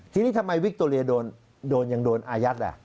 ทีนี้ทำไมวิคโตเรียโดนยังโดนอายัด